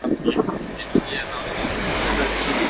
vipawa hivyo vinatenda kulingana na Umungu anaouchanga